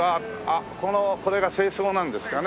これが正装なんですかね。